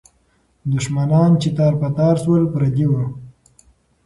دښمنان چې تار په تار سول، پردي وو.